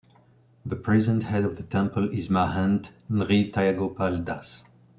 The present head of the temple is Mahant Nrityagopal Das.